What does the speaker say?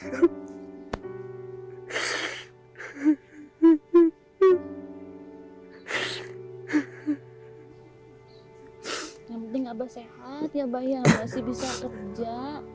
yang penting abah sehat ya bayang masih bisa kerja